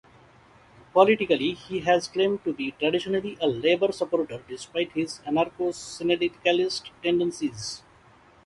Politically, he has claimed to be "traditionally a Labour supporter" despite his "anarcho-syndicalist tendencies".